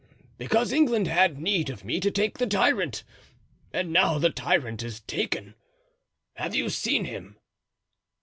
"Because England had need of me to take the tyrant, and now the tyrant is taken. Have you seen him?"